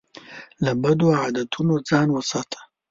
له بدو عادتونو ځان وساته.